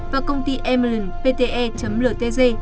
và công ty emerald pte ltg